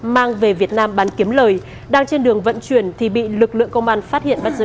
mang về việt nam bán kiếm lời đang trên đường vận chuyển thì bị lực lượng công an phát hiện bắt giữ